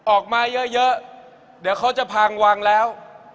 ออกมาเยอะเดี๋ยวเขาจะพังวางแล้ว